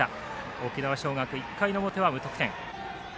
沖縄尚学１回の表は無得点。